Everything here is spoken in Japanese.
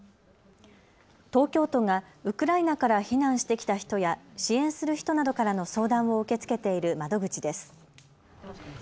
東京都がウクライナから避難してきた人や支援する人などからの相談を受け付けている窓口です。